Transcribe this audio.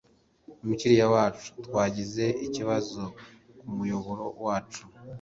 Mukiriya wacu twagize ikibazo ku muyoboro wacu